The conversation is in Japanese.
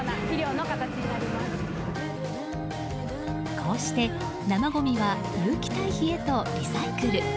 こうして生ごみは有機たい肥へとリサイクル。